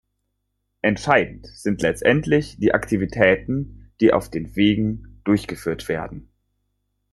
Entscheidend sind letztendlich die Aktivitäten, die auf den Wegen durchgeführt werden.